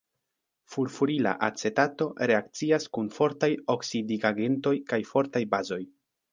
Furfurila acetato reakcias kun fortaj oksidigagentoj kaj fortaj bazoj.